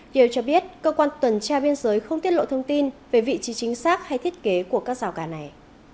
điều cho biết cơ quan tuần tra biên giới không tiết lộ thông tin về vị trí chính xác hay thiết kế của các rào cản này